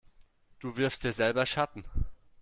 Du wirfst dir selber Schatten.